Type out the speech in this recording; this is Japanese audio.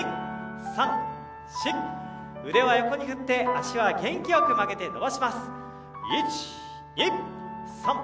腕は横に振って脚は元気よく曲げて伸ばします。